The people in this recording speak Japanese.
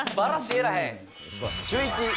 シューイチ！